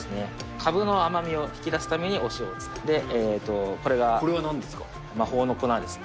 かぶの甘みを引き出すためにお塩を使うでえーとこれがこれは何ですか？